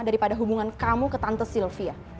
daripada hubungan kamu ke tante sylvia